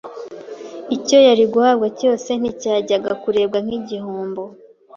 icyo yari guhabwa cyose nticyajyaga kurebwa nk'igihombo